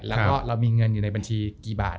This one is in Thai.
แล้วก็เรามีเงินอยู่ในบัญชีกี่บาท